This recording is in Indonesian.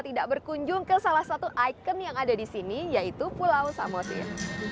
tidak berkunjung ke salah satu ikon yang ada di sini yaitu pulau samosir